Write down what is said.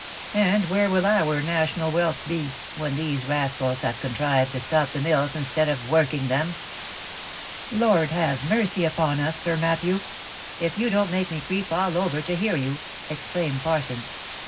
— And where will our national wealth be, when these rascals hg]^, contrived to stop the mills in stead of working them ?" of the " Lord have mercy upon us ! Sir Matthew ;— if you don't make me creep all over to hear you !" exclaimed Parsons.